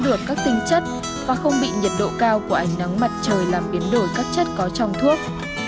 được các tinh chất và không bị nhiệt độ cao của ánh nắng mặt trời làm biến đổi các chất có trong thuốc